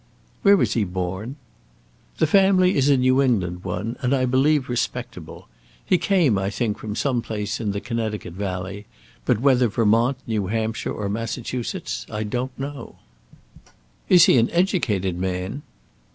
"Where was he born?" "The family is a New England one, and I believe respectable. He came, I think, from some place in the Connecticut Valley, but whether Vermont, New Hampshire, or Massachusetts, I don't know." "Is he an educated man?"